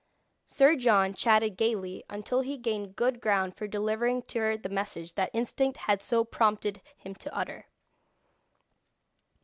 Sir John chatted gaily until he gained good ground for delivering to her the message that instinct had so prompted him to utter.